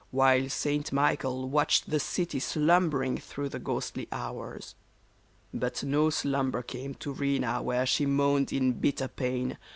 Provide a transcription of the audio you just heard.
While St. Michael watched the city slumbering through the ghostly hours. But no slumber came to Rena where she moaned in bitter pain.